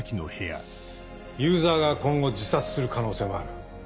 ユーザーが今後自殺する可能性もある。